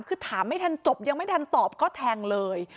คือถามไม่ทันจบยังไม่ทันตอบก็แทงเลย